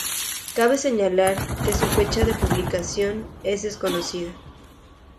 Cabe señalar que su fecha de publicación es desconocida.